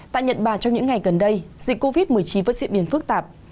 tại nhật bản trong những ngày gần đây dịch covid một mươi chín vẫn diễn biến phức tạp